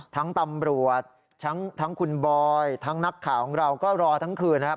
ตำรวจทั้งคุณบอยทั้งนักข่าวของเราก็รอทั้งคืนนะครับ